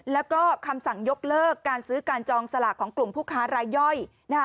แล้วก็คำสั่งยกเลิกการซื้อการจองสลากของกลุ่มผู้ค้ารายย่อยนะคะ